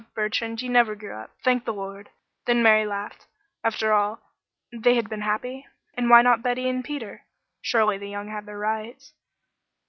"Ah, Bertrand! You never grew up thank the Lord!" Then Mary laughed. After all, they had been happy, and why not Betty and Peter? Surely the young had their rights.